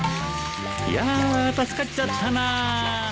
いや助かっちゃったなあ。